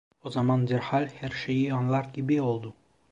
O zaman derhal her şeyi anlar gibi oldu.